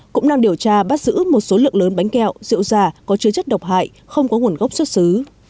cũng đang điều tra bắt giữ một số lượng lớn bánh kẹo rượu giả có chứa chất độc hại không có nguồn gốc xuất xứ